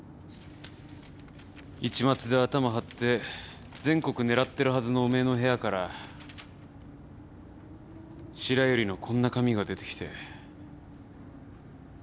市松でアタマはって全国狙ってるはずのおめえの部屋から白百合のこんな紙が出てきて。